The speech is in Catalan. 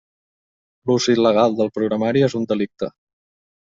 L'ús il·legal del programari és un delicte.